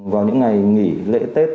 vào những ngày nghỉ lễ tết